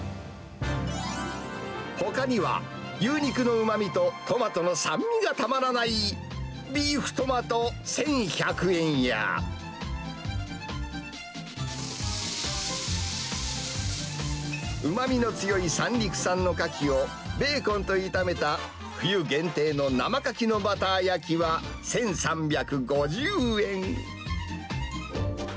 ほかには、牛肉のうまみとトマトの酸味がたまらないビーフトマト１１００円や、うまみの強い三陸産のカキをベーコンと炒めた、冬限定の生カキのバター焼きは１３５０円。